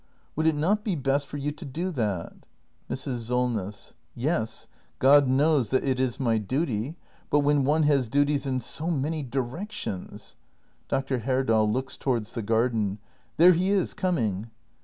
Would it not be best for you to do that ? Mrs. Solness. Yes; God knows that is m y duty. But when one has duties in so many directions Dr. Herdal. [Looks towards tJie garden.] There he is coming.